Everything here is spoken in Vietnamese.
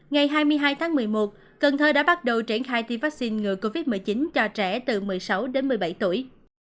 ngày hai mươi hai tháng một mươi một cần thơ đã bắt đầu triển khai tiêm vaccine ngừa covid một mươi chín cho trẻ từ một mươi sáu đến một mươi bảy tuổi